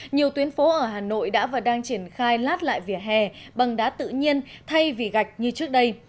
nhiều tuyến phố ở hà nội đã và đang triển khai lát lại vỉa hè bằng đá tự nhiên thay vì gạch như trước đây